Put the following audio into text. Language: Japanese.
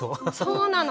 そうなの。